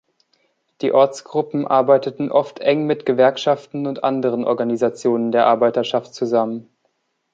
Die Ortsgruppen arbeiteten oft eng mit Gewerkschaften und anderen Organisationen der Arbeiterschaft zusammen.